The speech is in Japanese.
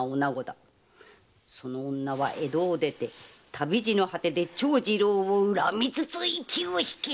その女は江戸を出て旅路の果てで長次郎を恨みつつ息を引き取った！